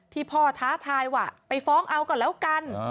พ่อท้าทายว่าไปฟ้องเอาก็แล้วกัน